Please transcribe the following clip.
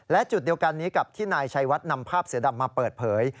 และจุดเดียวกันนี้กับที่นายชัยวัดนำภาพเสือดำมาเปิดเผย